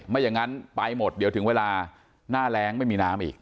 ไม่อย่างนั้นไปหมดเดี๋ยวถึงเวลาหน้าแรงไม่มีน้ำอีก